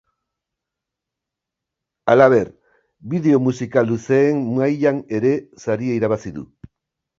Halaber, bideo musikal luzeen mailan ere saria irabazi du.